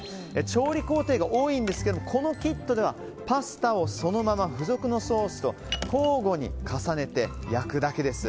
調理工程が多いんですがこのキットではパスタをそのまま付属のソースと交互に重ねて焼くだけです。